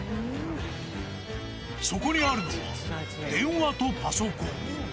そこにあるのは、電話とパソコン。